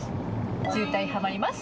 渋滞はまります！